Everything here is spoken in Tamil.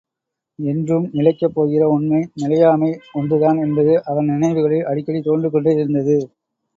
என்றும் நிலைக்கப் போகிற உண்மை, நிலையாமை ஒன்றுதான் என்பது அவன் நினைவுகளில் அடிக்கடி தோன்றிக்கொண்டே இருந்தது.